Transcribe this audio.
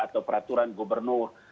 atau peraturan gubernur